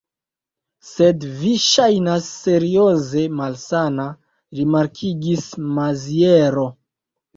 Sed vi ŝajnas serioze malsana, rimarkigis Maziero.